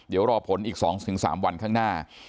เดี๋ยวรอผลอีก๒๓วันข้างหน้า